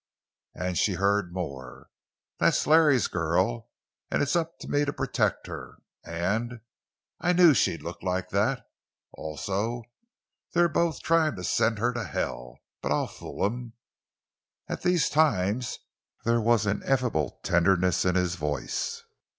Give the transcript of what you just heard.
And she heard more: "That's Larry's girl, and it's up to me to protect her." And—"I knew she'd look like that." Also—"They're both tryin' to send her to hell! But I'll fool them!" At these times there was ineffable tenderness in his voice.